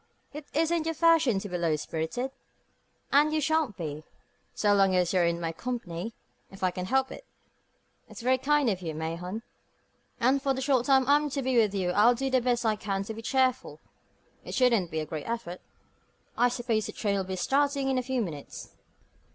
It isn't your fashion to be low spirited, and you shan't be, so long as you're in my company if I can help it." "It's very kind of you, Mahon; and for the short time I'm to be with you I'll do the best I can to be cheerful. It shouldn't be a great effort. I suppose the train will be starting in a few minutes?"